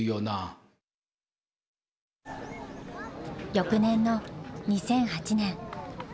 翌年の２００８年。